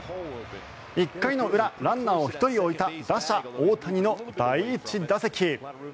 １回の裏、ランナーを１人置いた打者・大谷の第１打席。